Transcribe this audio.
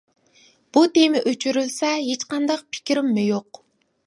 بۇ تېما ئۆچۈرۈلسە ھېچقانداق پىكرىممۇ يوق.